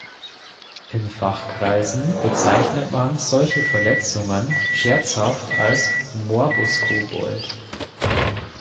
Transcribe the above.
In Fachkreisen bezeichnet man solche Verletzungen scherzhaft als Morbus Kobold.